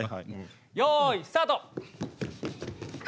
よいスタート！